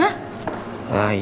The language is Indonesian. tahit gimana nyari rose